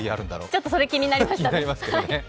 ちょっとそれ、気になりました。